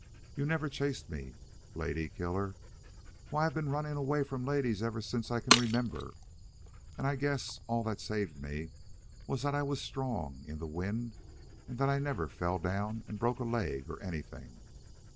You've never chased me. Lady killer! Why, I've been running away from ladies ever since I can remember, and I guess all that saved me was that I was strong in the wind and that I never fell down and broke a leg or anything.